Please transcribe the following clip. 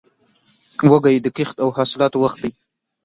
وږی د کښت او حاصلاتو وخت دی.